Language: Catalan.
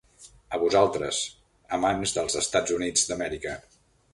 A vosaltres, amants dels Estats Units d'Amèrica.